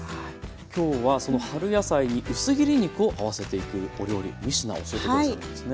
今日はその春野菜に薄切り肉を合わせていくお料理３品教えて下さるんですね。